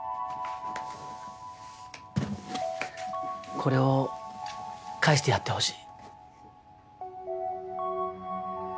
これを返してやってほしい